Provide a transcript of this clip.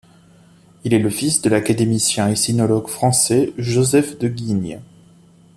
Il est le fils de l'académicien et sinologue français Joseph de Guignes.